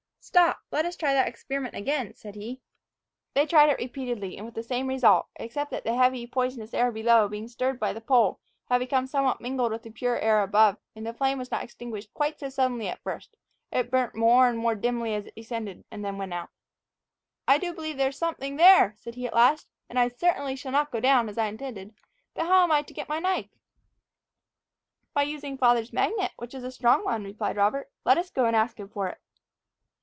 "Stop, let us try that experiment again," said he. They tried it repeatedly, and with the same result, except that the heavy poisonous air below being stirred by the pole, had become somewhat mingled with the pure air above, and the flame was not extinguished quite so suddenly as at first; it burnt more and more dimly as it descended, and then went out. "I do believe there is something there," said he at last, "and I certainly shall not go down, as I intended. But how am I to get my knife?" "By using father's magnet, which is a strong one," replied Robert. "Let us go and ask him for it."